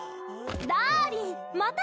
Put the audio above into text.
ダーリンまた